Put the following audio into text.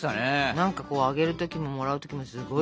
何かこうあげる時ももらう時もすごいワクワクしない？